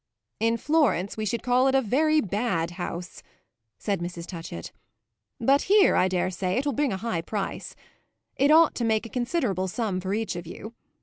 "In Florence we should call it a very bad house," said Mrs. Touchett; "but here, I dare say, it will bring a high price. It ought to make a considerable sum for each of you.